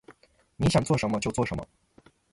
你想要做什么？就做什么